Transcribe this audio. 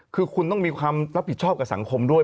คือคุณต้องมีความรับผิดชอบกับสังคมด้วย